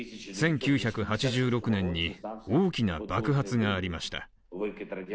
１９８６年に大きな爆発がありました。